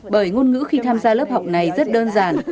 bởi ngôn ngữ khi tham gia lớp học này rất đơn giản